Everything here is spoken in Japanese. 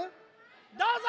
どうぞ！